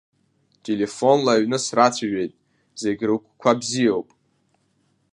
Телефонла аҩны срацәажәеит, зегьы рыгәқәа бзиоуп.